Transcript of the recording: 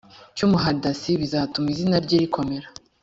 cy umuhadasi bizatuma izina rye rikomera